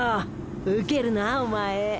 ウケるなお前。